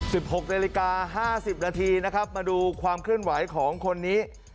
หกนาฬิกาห้าสิบนาทีนะครับมาดูความเคลื่อนไหวของคนนี้